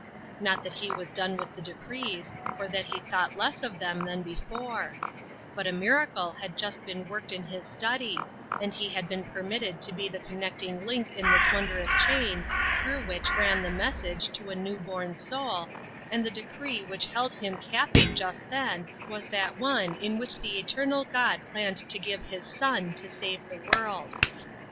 Not that he was done with the decrees, or that he thought less of them than before ; but a miracle had just been worked in his study, and he had been permitted to be the connecting link in the wondrous chain through which ran the message to a new born soul, and the decree which held him captive just then was that one in which the Eternal God planned to give his Son to save the world.